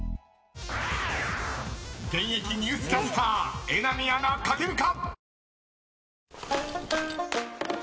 ［現役ニュースキャスター榎並アナ書けるか⁉］